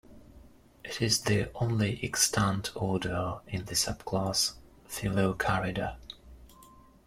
It is the only extant order in the subclass Phyllocarida.